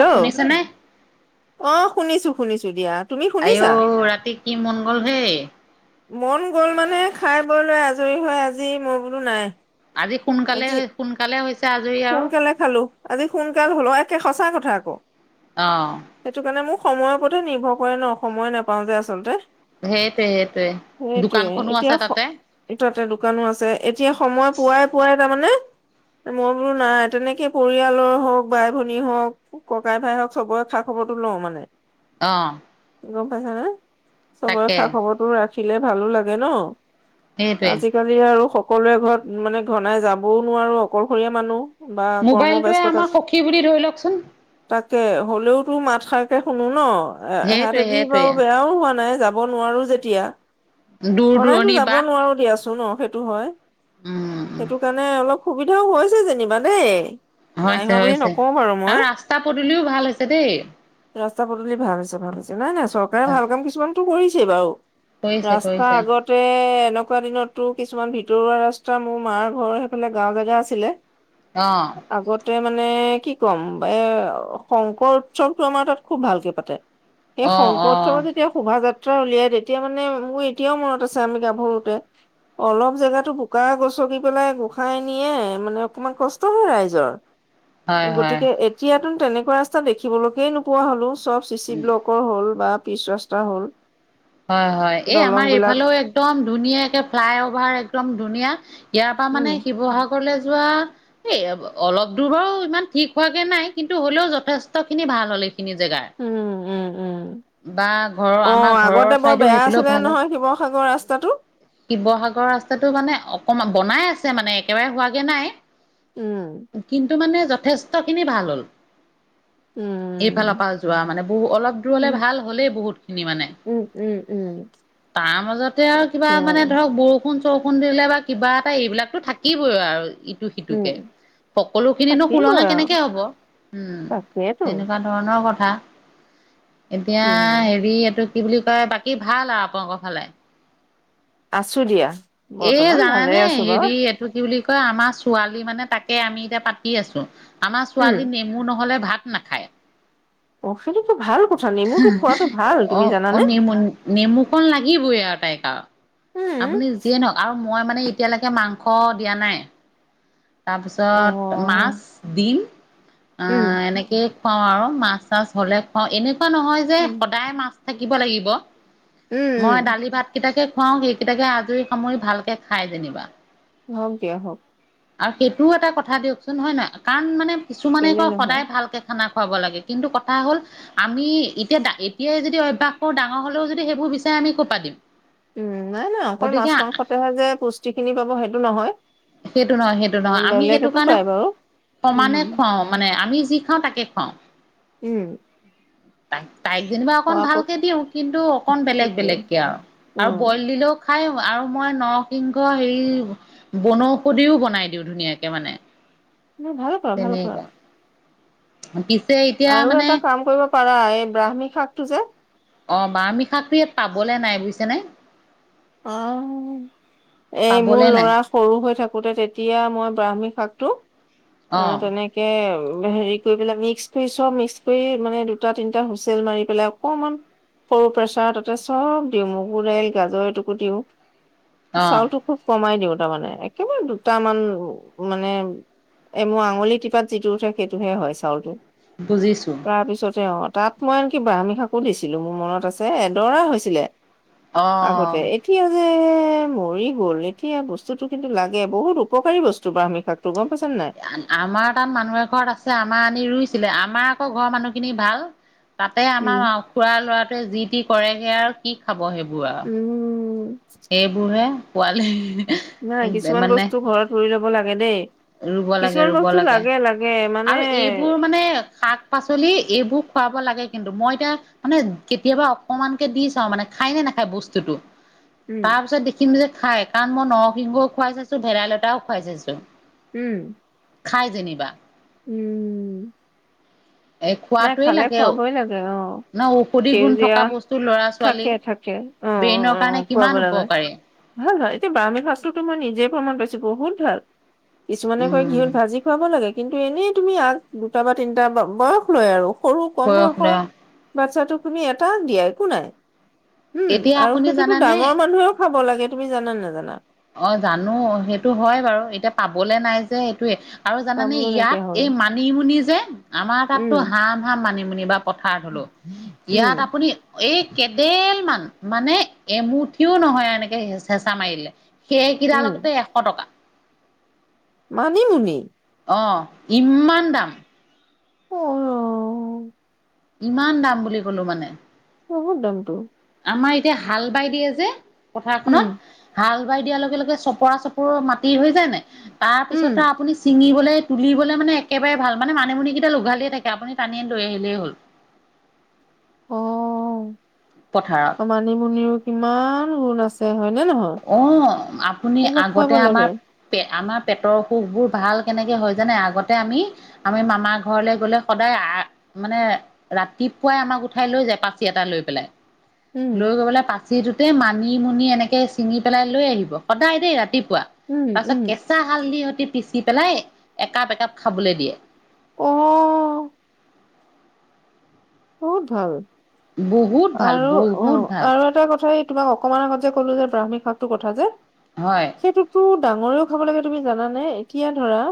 অ', hello শুনিছা নে? অ', শুনিছো শুনিছো দিয়া। তুমি আইও শুনিছা? ৰাতি কি মন গ'ল হেই? মন গ'ল মানে খাই বৈ লৈ আজৰি হয় আজি মই বোলো নাই আজি আজি সোনকালে-সোনকালে হৈছে আজৰি আৰু সোনকালে খালো, আজি সোনকাল হলও একে সঁচা কথা আকৌ। অ'। সেইটো কাৰণে মোৰ সময়ৰ ওপৰতো নিৰ্ভৰ কৰে ন, সময়ে নেপাও যে আচলতে। সেইটোৱে সেইটোৱে সেইটোৱে দোকানখনো আছে এতিয়া, তাতে এটোতে [unintelligible] দোকানো আছে, এতিয়া সময় পুৱাই-পুৱাই তাৰমানে মই বোলো নাই তেনেকে পৰিয়ালৰ হওক, বাই-ভনী হওক, ককাই-ভাই হওক চবৰে খা-খবৰটো ল ন মানে অ'। গম পাইছা নে, চবৰে তাকে খা-খবৰটো ৰাখিলে ভালো লাগে ন। সেইটোৱে আজিকালি আৰু সকলোৱে ঘৰত, মানে ঘনাই যাবও নোৱাৰো অকলশৰীয়া মানুহ। বা কৰ্ম মোবাইলটোৱে ব্যস্ততাত, আমাৰ সখী বুলি ধৰি লওকচোন তাক তাকে হ'লেও তো মাত খাৰকে শুনো ন, সেইটোৱে এহতেদি সেইটোৱে বাৰু বেয়াও হোৱা নাই। যাব নোৱাৰো যেতিয়া। দূৰ ঘনায়তো দূৰণি যাব বাট নোৱাৰো দিয়াচো ন সেইটো হয়, উম সেইটো কাৰণে অলপ সুবিধাও হৈছে যেনিবা দেই। নাই হোৱা হৈছে বুলি হৈছে, নকওঁ বাৰু মই আৰু ৰাস্তা পদূলিও ভাল হৈছে দেই। ৰাস্তা পদূলি ভাল হৈছে ভাল হৈছে, নাই নাই চৰকাৰে ভাল কাম কিছুমানটো কৰিছেই বাৰু। কৰিছে ৰাস্তা কৰিছে আগতে এনেকু এনেকুৱা দিনতো কিছুমান ভিতৰুৱা ৰাস্তা মোৰ মাৰ ঘৰৰ সেইফালে গাঁও জেগা আছিলে অ'। আগতে মানে কি কম, এ শংকৰ উৎসৱটো আমাৰ তাত খুব ভালকে পাতে। সেই অ শংকৰ অ উৎসৱত যেতিয়া শোভাযা ত্ৰা উলিয়াই তেতিয়া মানে, মোৰ এতিয়াও মনত আছে আমি গাভৰুতে অলপ জেগাতো বোকা গছকি পেলাই ঠাই নিয়ে মানে অকমান কষ্ট হয় ৰাইজৰ। হয় হয় গতিকে এতিয়াতো তেনেকুৱা ৰাস্তা দেখিবলৈকে নোপোৱা হ'লো চব চি চি ব্লকৰ হ'ল বা পিচ ৰাস্তা হ'ল। হয় হয়, এই দলং আমাৰ বিলাক এইফালেও একদম ধুনীয়াকে ফ্লাই অভাৰ একদম ধুনীয়া ইয়াৰ পৰা উম মানে শিৱসাগৰলে যোৱা, এই অলপ দূৰ বাৰো ইমান ঠিক হোৱাগে নাই কিন্তু হ'লেও যথেষ্ট খিনি ভাল হলে খিনি জেগাৰ। উম উম উম বা ঘৰৰ, অ আমাৰ ঘৰৰ আগতে বৰ চাইডেও বেয়া সেইফালেও আছিলে ভাল হ'ল নহয় শিৱসাগৰ ৰাস্তাটো। শিৱসাগৰ ৰাস্তাটো মানে অকমান বনাই আছে মানে একেবাৰে হোৱাগে নাই। উম কিন্তু মানে যথেষ্ট খিনি ভাল হ'ল। উম এইফালৰ পৰা যোৱা মানে বহু, অলপ দূৰলে উম, ভাল হ'লেই বহুত খিনি মানে। উম, উম, উম, তাৰ মাজতে আৰু বা মানে ধৰক বৰষুণ-চৰষুণ দিলে বা কিবা এটা এইবিলাকটো থাকিবই আৰু ই ইটো সিটোকে। উম, সকলোখিনিনো থাকিবই সুলনা আৰু কেনেকে হব। উম, তাকেইতো তেনেকুৱা ধৰণৰ কথা কথা। এতিয়া উম, হেৰি এইটো কি বুলি কয়, বাকী ভাল আও আপোনালোকৰ ফালে? আছো দিয়া। এ বৰ্তমান ভালে জানানে, আছো বাৰু হেৰি এইটো কি বুলি কয়, আমাৰ ছোৱালী মানে তাকে আমি এতিয়া পাতি আছো, আমাৰ উম, ছোৱালী নেমু নহ'লে ভাত নাখায়। অ', [unintelligible] কথা নেমুটো খোৱাটো ভাল তুমি অ'! জানানে নেমু, নেমু কন লাগিবই আৰু। [unintelligible] উম, আপুনি যিয়ে ন আৰু মই মানে, এতিয়ালৈকে মাংস দিয়া নাই। অ', তাৰপিছত, মাছ দিম উম, আঁ এনেকে খুৱাওঁ আৰু মাছ চাছ হলে খুৱাওঁ। এনেকুৱা নহয় যে, উম, সদায় মাছ থাকিব লাগিব। উম, উম, মই দালি ভাত কেইটাকে খুৱাওঁ। সেইকেইটাকে, আজৰি সামৰি ভালকে খায় যেনিবা। হওঁক, দিয়া হওঁক। আৰু সেইটো এটা কথা দিয়কচোন, হয়, নহয়? কাৰণ মানে, কিছুমানে কেলে কয় নহয় সদায় ভালকে খানা খুৱাব লাগে। কিন্তু, কথা হ'ল আমি এতিয়া, এতিয়াই যদি অভ্যাস কৰোঁ ডাঙৰ হ'লেও যদি সেইবোৰ বিচাৰে। আমি কৰপা দিম। উম! নাই, নাই। অকল গতিকে মাছ মাংসতেহে যে, পুষ্টিখিনি পাব সেইটো নহয়। সেইটো নহয়, সেইটো অ', নহয়। আমি সেইটো বেলেগতো কাৰণে, পায় বাৰু সমানে উম, খুৱাওঁ মানে, আমি যি খাওঁ তাকে। [unintelligible] উম! তাইক, তাইক, যেনিবা অকণ ভালকে পৰাপক্ষে দিওঁ। কিন্তু, অকণ বেলেগ, সেইটোৱে বেলেগকে আৰু আৰু অ', বইল দিলেওঁ খায় আৰু মই নৰসিংহ হেৰি বনৌ ঔষদেও বনাই দিওঁ ধুনীয়াকে মানে। তুমি ভাল পোৱা, ভাল পোৱা? পিছ আৰু এটা কাম কৰিব পাৰা, এই ব্ৰাক্ষ্মী শাকটো যে অ'! ব্ৰাহ্মী শাকটো, ইয়াত পাবলে নাই বুজিছে নে। অ'! এই মোৰ পাবলে নাই লৰা সৰু হৈ থাকোঁ থাকোঁতে তেতিয়া, মই ব্ৰাক্ষ্মী শাকটো অ'! তেনেকে হেৰি কৰি পেলাই, মিক্স কৰি চব মিক্স কৰি মানে, দুটা, তিনটা হুইছেল মাৰি পেলাই অকমান সৰু প্ৰেছাৰ তাতে চব দিওঁ। মগু দাইল, গাজৰ, এইটো এইটো দিওঁ। অ চাউলটো খুব কমাই দিওঁ। তাৰমানে, একেবাৰে দুটামান মানে। এ, মোৰ আঙুলি টিপাত যিটো উঠে, সেইটোহে হয় চাউলটো। বুজিছো তাৰ পিছতে, অ'! তাত মই আনকি ব্ৰাক্ষ্মী শাকো দিছিলোঁ। মোৰ মনত আছে, এডৰা হৈছিলে। অ'! অ'! আগতে এতিয়া যে যে, মৰি গ'ল। এতিয়া বস্তুটো কিন্তু লাগে। বহুত উপকাৰী বস্তু ব আমি শাকতো গ'ম পাইছা নে নাই? আমাৰ তাত মানুহ এঘৰত আছে। আমাৰ আনি ৰুই ৰুইছিলে। আমাৰ আকৌ, ঘৰৰ মানুহ খিনি ভাল, তাতে উম। আমাৰ খুৰা ল'ৰাটোৱে যি টি কৰেগে আৰু কি খাব সেইবোৰ আৰু উম, সেইবোৰহে পোৱালে। নাই। কিছুমান বস্তু ঘৰত ৰুই ল'ব লাগে দেই। ৰুব লাগে কিছুমান ৰুব বস্তু লাগে, লাগে। মানে আৰু এইবোৰ মানে, শাক -পাচলি এইবোৰ খুৱাব লাগে কিন্তু। মই এতিয়া, মানে কেতিয়াবা অকমানকে দি চাওঁ মানে, খায় নে নাখায় বস্তুটো। উম, তাৰপিছত, দেখিম যে খায়। কাৰণ, মই নৰসিংহও খুৱাই চাইছোঁ, ভেলাইলতাও খুৱাই চাইছোঁ। উম! খায় যেনিবা। উম! এ নাই খোৱাটোৱে খালে, লাগে খোৱাবই ন লাগে। অ'! ঔষধি গুণ সেউজীয়া? থকা বস্তু ল'ৰা ছোৱালী থাকে, থাকে। অ'! ব্ৰেইনৰ কাৰণে অ'! খুৱাব কিমান লাগে উপকাৰী ভাল হয়। ব্ৰাক্ষ্মটো মই নিজে প্ৰমাণ পাইছোঁ। বহুত ভাল! কিছুমানে কয়, উম ঘিউত ভাজি খুৱাব লাগে। কিন্তু, এনেই তুমি আগ দুটা বা তিনটা বয়স লয় আৰু সৰু কম বয়স লৈ বয়সৰ বাচ্ছাটো তুমি এটা দিয়াই একো নাই। উম এতিয়া আৰু আপুনি সেইটোতো জানেনে ডাঙৰ মানুহেও খাব লাগে তুমি জানা নেজানা? অ'! জানোঁ। সেইটো হয় বাৰু এতিয়া পাবলে নাই যে এইটোৱে। আৰু জানেনে, খাবলৈ ইয়াত নাইকিয়া হ'ল এই মানিমুনি যে আমাৰ তাততো উম [unintelligible] মানিমুনি বা পথাৰত হ'লো। উম ইয়াত আপুনি এই কেডেল মান, মানে এমুঠিও নহয় এনেকে হেচ- হেঁচা মাৰিলে সেই উম কেইডালকতে এশ টকা। মানিমুনি? অ' ইমান দাম। অ'। ইমান দাম বুলি ক'লো মানে। বহুত দমটো। আমাৰ এতিয়া হাল বাই দিয়ে যে, পথাৰখনত। উম হাল বাই দিয়াৰ লগে - লগে চপৰা - চপৰ মাটি হৈ নে? তাৰ উম পিছতে আপুনি চিঙি বলে তুলিবলৈ মানে একেবাৰে ভাল, মানে মানিমুনি কেইডাল উঘালিয়ে থাকে। আপুনি টানি লৈ আহিলেই হ'ল। [inaudible] অ পথাৰত মানিমুনিৰো কিমান গুণ আ অ', আপুনি এইবিলাক খুৱাব আগতে লাগে আমাৰ পে- আমাৰ পেটৰ অসুখবোৰ ভাল কেনেকে হয় জানে? আগতে আমি, আমি মামাৰ ঘৰলে গ'লে সদায় আ- মানে ৰাতি পুৱাই আমাক উঠাই লৈ যায়, পাচি এটা লৈ পেলাই। উম লৈ গৈ পেলাই পাচিটোতে মানিমুনি এনেকে চিঙি পেলাই লৈ আহিব। সদায় দেই, ৰাতিপুৱা। উম তাৰ পিছত উম কেঁচা হালধি পিচি পেলাই একাপ - একাপ খাবলৈ দিয়ে। অ'। বহুত ভাল। বহুত ভাল আৰু অ', বহুত ভাল আৰু এটা কথা এই তোমাক অকমান আগত যে, ক'লো যে ব্ৰাহ্মী শাকটো কথা যে। হয় সেইটোতো ডাঙৰেও খাব লাগে, তুমি জানানে? এতিয়া ধৰা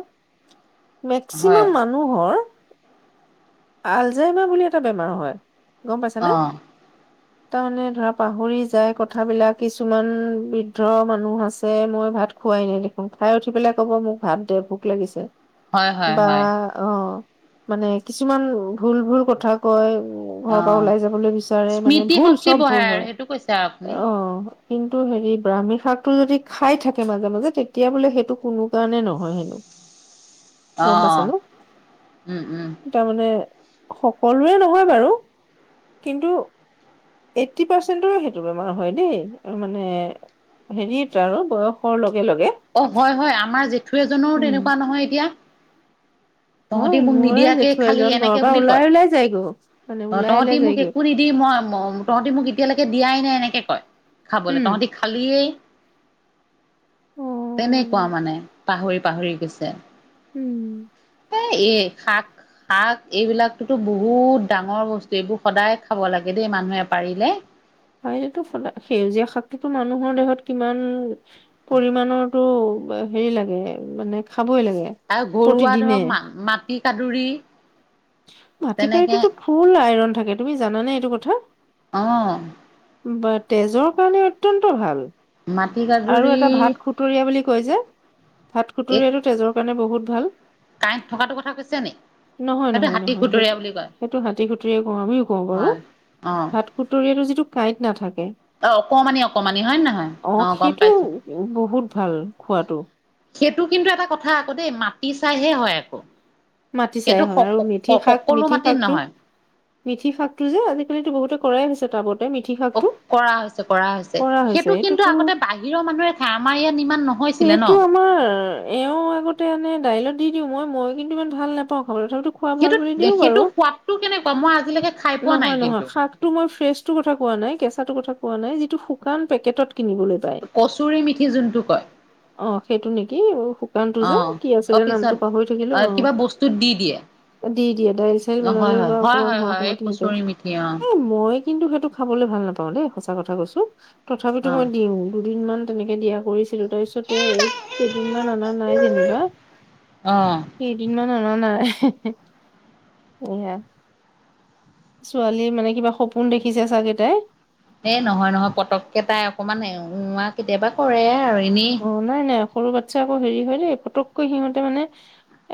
হয় মেক্সিমাম মানুহৰ আলজাইমাৰ বুলি এটা বেমাৰ হয়, গম অ পাইছানে? তাৰ মানে ধৰা, পাহৰি যায় কথাবিলাক, কিছুমান বৃদ্ধ মানুহ আছে মই ভাত খো খুৱাই নাই দেখোন। খাই উঠি পেলাই ক'ব, মোক ভাত দে, ভোক লাগিছে হয় হয় বা হয় অ' মানে কিছুমান ভুল - ভুল কথা কয়। অ ঘৰৰ পৰা ওলাই যাবলৈ বিচাৰে, মানে স্মৃতি ভুল, শক্তি চব বঢ়াই ভুল আৰু হয়। সেইটো কৈছে আৰু আপুনি অ'। কিন্তু হেৰি ব্ৰাহ্মী শাকটো যদি খাই থাকে মাজে মাজে, তেতিয়া বোলে সেইটো কোনো কাৰণে নহয় হেনো। গম পাইছা অ'। ন উম - উম। তাৰমানে সকলোৰে নহয় বাৰু, কিন্তু এইটি পাৰ্চেন্টৰে সেইটো বেমাৰ হয় দেই, মানে হেৰিয়েতো আৰু, বয়সৰ লগে - লগে অ' হয় - হয়। আমাৰ জেঠু এজনৰো উম তেনেকুৱা নহয়, এতিয়া। হয় তহঁতি মোক মোৰে নিদিয়াকে জেঠু খালি, এজন ঘৰৰ এনেকে পৰা বুলি ওলাই কয়। ওলাই যায়গৈ মানে অ' ওলাই তহঁতি ওলাই মোক যায়গৈ একো নিদি মই ম- তহঁতি মোক এতিয়ালৈকে দিয়াই নাই, এনেকে কয়, খাবলৈ। উম তহঁতি খালিয়েই অ তেনেকুৱা মানে, পাহৰি - পাহৰি গৈছে। উম। এ- এ শাক শাক এইবিলাকতো বহুত ডাঙৰ বস্তু। এইবোৰ সদায় খাব লাগে দেই, মানুহে পাৰিলে। হয়, সেইটো ফল- সেউজীয়া শাকটোতো মানুহৰ দেহত কিমান পৰিমাণৰতো হেৰি লাগে, মানে খাবই লাগে। আৰু ঘৰুৱা প্ৰতিদিনে ধৰক মা- মাটি কাদুৰি মাটি তেনেকে কাৰীটোতো ফুল আইৰন থাকে, তুমি জানানে এইটো কথা? অ বা তেজৰ কাৰণে অত্যন্ত ভাল। মাটি আৰু কাদুৰি এটা ভাত খুতুৰীয়া বুলি কয় যে, ভাত খুতুৰীয়াটো তেজৰ কাৰণে বহুত ভাল। কাইট থকাটো কথা কৈছে নি? নহয় - সেইটো নহয় - হাতী নহয়, খুতৰীয়া সেইটো- বুলি কয় সেইটো হাতী খুতুৰিয়া কওঁ, আমিও কওঁ বাৰু। হয় অ ভাত খুতুৰীয়াটো যিটো কাঁইত নাথা অ' অকমানি - অকমানি, হয় নে নহয়? অ' গম সেইটো পাইছো বহুত ভাল খোৱাটো সেইটো কিন্তু এটা কথা আকৌ দেই মাটি চাইহে হয় আকৌ। মাটি চাই সেইটো হয় আৰু মিথি শাক সকলো মিথি মাটিত শাকটো নহয় মিঠি শাকটো যে আজিকালি বহুতে কৰাই হৈছে। টাবতে মিথি শাকটো কৰা হৈছে কৰা হৈছে হৈছে সেইটো কিন্তু এইটোতো আগতে বাহিৰৰ মানুহে খায় আমাৰ ইয়াত ইমান নহয়। সেইটো আমাৰ এওঁ আগতে এনে দাইলত দি দিওঁ মই মই কিন্তু ইমান ভাল নাপাওঁ। খাবলে তথাপিতো খোৱা ভাল সেইটো বুলি দিও বাৰু সেইটো সোৱাদটো কেনেকুৱা মই আজিলৈকে খাই পোৱা নাই নহয় নহয় কিন্তু শাক টো মই ফ্ৰেছ কথা কোৱা নাই কেঁচাটো কথা কোৱা নাই যিটো শুকান পেকেটত কিনিবলৈ পায় কচৰি মিঠি যোনটো কয় অ সেইটো নেকি শুকান টো অ যে কি অ আছিলে নামটো পিছত পাহৰি থাকিলো অ কিবা বস্তুত দি দিয়ে অ দি দিয়া দাইল চাইল অ হয় বনালেও ব হয় হয় অকমান হয় সৰ হয় এই সময়তি থে কচুৰি মিঠি অ এ মই কিন্তু সেইটো খাবলৈ ভাল নাপাওঁ দেই সঁচাক কথা কৈছো তথাপিতো অ মই দিওঁ দুদিন মান তেনেকে দিয়া কৰি তাৰ পিছতে এই কেইদিন মান অনা নাই যেনিবা অ শুনা নাই এইয়া ছোৱালীৰ মানে কিবা সপোন দেখিছে চাগে তাই এ নহয় নহয় পতককে তাই অকন মান উম আহ কেতিয়াবা কৰে আৰু এনেই অ নাই নাই সৰু বাচ্ছা আকৌ হেৰি হয় দেই ফটককৈ সিহতে মানে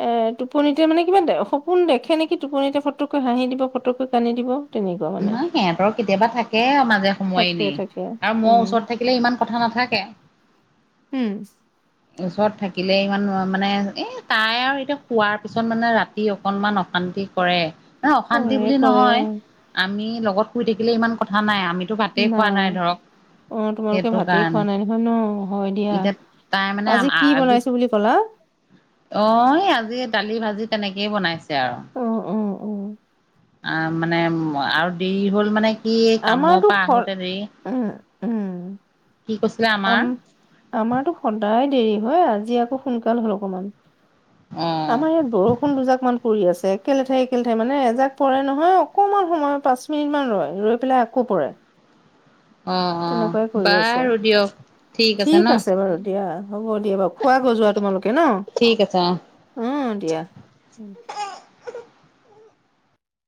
এ টোপনিতে মানে কিবা সপোন দেখে নেকি টোপনিতে ফটককে কাঁহি দিব ফতকৈ কান্দি দিব তেনেকুৱা মানে নহ সিহঁতৰ কেতিয়াবা থাকে মাজে সময় তাকে এনে তাকে আৰু মই উম ওচৰত থাকিলে ইমান কথা নাথাকে উম ওচৰত থাকিলে ইমান মানে এ তাই আৰু এতিয়া শোৱাৰ পিছত মানে ৰাতি অকনমান অশান্তি কৰে নহ অশান্তি কৰে বুলি কৰে নহয় আমি লগত শুই থাকিলে ইমান কথা নাই আমি টো ভাতেই খোৱা নাই ধৰক অ তোমালোকে সেইটো ভাতেই খোৱা কাৰণে নাই নহয় ন হয় দিয়া এতিয়া তাই মানে কি আজি বনাইছো বুলি ক'লা? অহ আজি দালি ভাজি তেনেকেই বনাইছে আৰু উম, উম, উম। অ মানে আৰু দেৰি হ'ল মানে সি কামৰ আমাৰতো পৰা সৰ আহোতে উম, উম, দেৰি কি কৈছিলে আমাৰ আম আমাৰতো সদায় দেৰি হয় আজি আকৌ সোনকাল হ'ল অকমান। অ আমাৰ ইয়াত বৰষুণ দুজাক মান পৰি আছে একেলেথেৰি একে লেথেৰি মানে এজাক পৰে নহয় অকমান সময় পাঁচ মিনিট মান ৰয় ৰৈ পেলাই আকৌ পৰে। অ', অ', তেনেকুৱাই কৰি আছে বাৰু দিয়ক ন। ঠিক আছে বাৰু দিয়া হ'ব দিয়া বাৰু খোৱা গৈ যোৱা তোমালোকে ন? ঠিক আছে অ'। উম দিয়া।